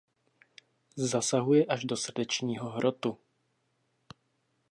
Zasahuje až do srdečního hrotu.